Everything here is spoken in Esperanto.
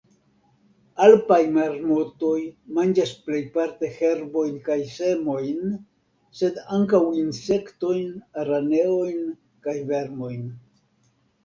Alpaj marmotoj manĝas plejparte herbojn kaj semojn, sed ankaŭ insektojn, araneojn kaj vermojn.